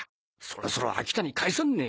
そろそろ秋田に帰さんね。